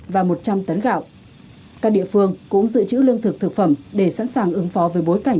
và một trăm linh tấn gạo các địa phương cũng dự trữ lương thực thực phẩm để sẵn sàng ứng phó với bối cảnh